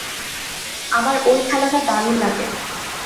আমার ঐ খেলাটা দারুণ লাগে।